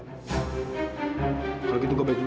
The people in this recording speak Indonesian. kalau gitu gue balik dulu